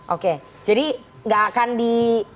oke jadi nggak akan di